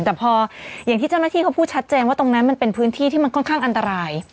แต่พออย่างที่เจ้าหน้าที่เขาพูดชัดเจนว่าตรงนั้นมันเป็นพื้นที่ที่มันค่อนข้างอันตราย